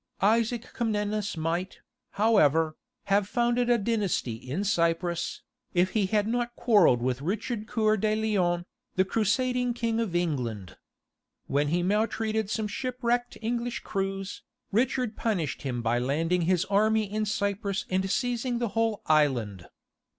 Isaac Comnenus might, however, have founded a dynasty in Cyprus, if he had not quarrelled with Richard Coeur de Lion, the crusading King of England. When he maltreated some shipwrecked English crews, Richard punished him by landing his army in Cyprus and seizing the whole island.